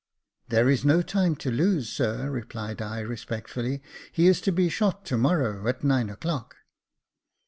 " There is no time to lose, sir," replied I, respectfully : "he is to be shot to morrow, at nine o'clock."